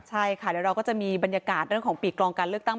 ใช่ค่ะเดี๋ยวเราก็จะมีบรรยากาศเรื่องของปีกรองการเลือกตั้ง